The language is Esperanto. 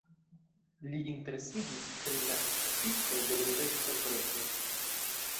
Li interesiĝis por la estetiko de Benedetto Croce.